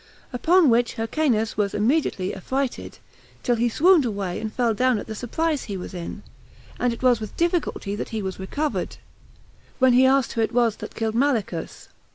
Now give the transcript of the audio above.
Upon which Hyrcanus was immediately affrighted, till he swooned away and fell down at the surprise he was in; and it was with difficulty that he was recovered, when he asked who it was that had killed Malichus.